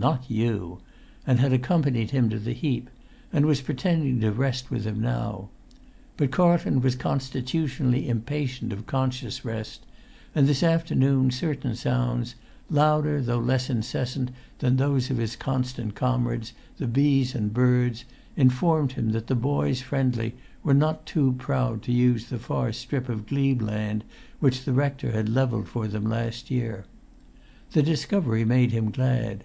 Not you!" and had accompanied him to the heap, and was pretending to rest with him now. But Carlton was constitutionally impatient of conscious rest; and this afternoon certain sounds, louder though less incessant than those of his constant comrades, the bees and birds, informed him that the Boys' Friendly were not too proud to use the far strip of glebe land which the rector had levelled for them last year. The discovery made him glad.